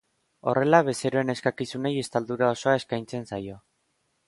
Horrela bezeroen eskakizunei estaldura osoa eskaintzen zaio.